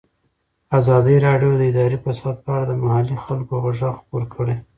ازادي راډیو د اداري فساد په اړه د محلي خلکو غږ خپور کړی.